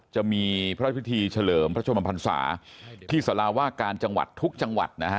จะมีพระพิธีเฉลิมพระชมพันศาที่สาราว่าการจังหวัดทุกจังหวัดนะฮะ